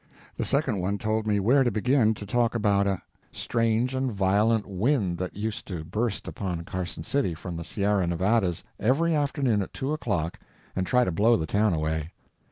The second one told me where to begin to talk about a strange and violent wind that used to burst upon Carson City from the Sierra Nevadas every afternoon at two o'clock and try to blow the town away.